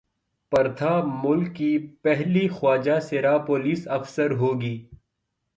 پرتھا ملک کی پہلی خواجہ سرا پولیس افسر ہو گی